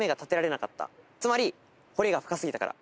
つまり濠が深すぎたから。